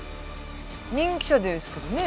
人気車ですけどね。